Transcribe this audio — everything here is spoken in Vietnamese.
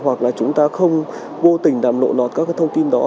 hoặc là chúng ta không vô tình đàm lộ nọt các thông tin đó